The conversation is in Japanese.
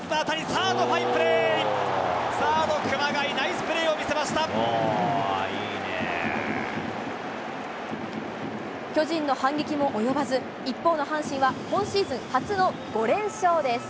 サード、熊谷、ナイスプレーを見巨人の反撃も及ばず、一方の阪神は、今シーズン初の５連勝です。